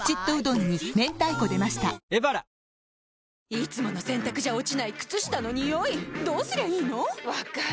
いつもの洗たくじゃ落ちない靴下のニオイどうすりゃいいの⁉分かる。